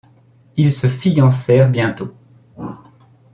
Ils se fiancèrent bientôt.